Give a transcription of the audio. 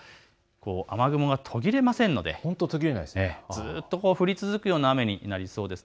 雨雲が途切れませんので、ずっと降り続くような雨になりそうです。